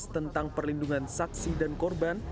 tentang perlindungan saksi dan korban